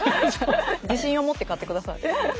自信を持って買ってください。